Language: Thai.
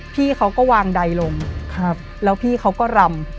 พี่เขาก็วางใดลงแล้วพี่เขาก็รำ